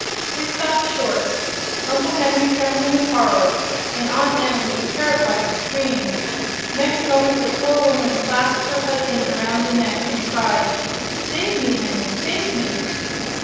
They stopped short, Uncle Henry trembling with horror and Aunt Em too terrified to scream. Next moment the poor woman clasped her husband around the neck and cried: "Save me, Henry, save me!"